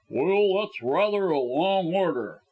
"Well, that's rather a long order.